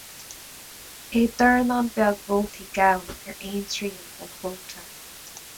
É dornán beag vótaí gann ar aon trian den chuóta.